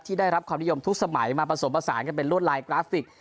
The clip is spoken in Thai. ได้รับความนิยมทุกสมัยมาผสมผสานกันเป็นรวดลายกราฟิก